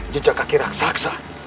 jejak kaki raksasa